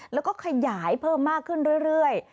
แล้วก็ขยายเพิ่มมากขึ้นเรื่อย